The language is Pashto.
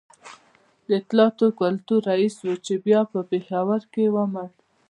د اطلاعاتو کلتور رئیس و چي بیا په پېښور کي ومړ